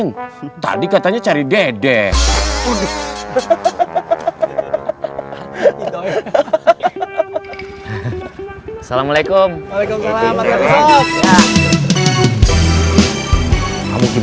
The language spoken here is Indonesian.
sampai jumpa lagi